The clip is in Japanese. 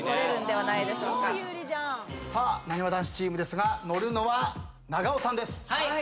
さあなにわ男子チームですが乗るのは長尾さんです。